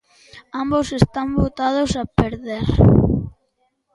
Ambos están botados a perder.